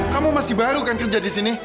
kamu masih baru kan kerja di sini